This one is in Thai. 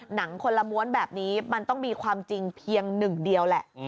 หนังคนละม้วนแบบนี้มันต้องมีความจริงเพียงหนึ่งเดียวแหละ